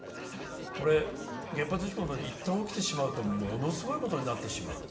原発事故は一旦起きてしまうとものすごいことになってしまう。